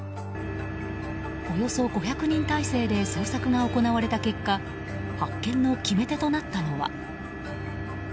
およそ５００人態勢で捜索が行われた結果発見の決め手となったのは。